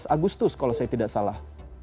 sebelas agustus kalau saya tidak salah